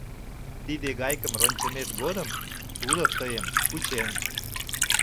Тиде гайкым рончымет годым тудо тыйым кучен.